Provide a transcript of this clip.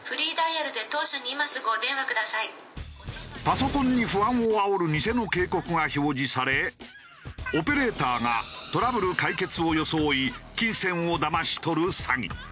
パソコンに不安をあおるニセの警告が表示されオペレーターがトラブル解決を装い金銭をだまし取る詐欺。